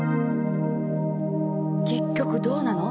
結局どうなの？